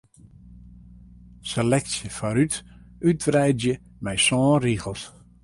Seleksje foarút útwreidzje mei sân rigels.